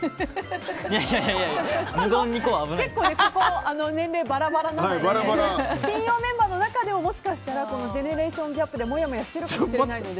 結構年齢バラバラなので金曜メンバーの中でももしかしたらジェネレーションギャップでもやもやしてるかもしれないので。